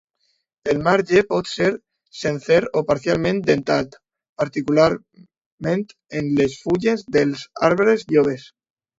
El marge pot ser sencer o parcialment dentat, particularment en les fulles dels arbres joves.